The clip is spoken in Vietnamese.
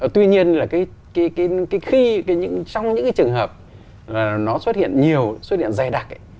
tuy nhiên là trong những trường hợp nó xuất hiện nhiều xuất hiện dày đặc